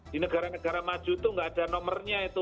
di negara negara maju itu nggak ada nomornya itu